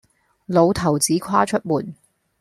老頭子跨出門，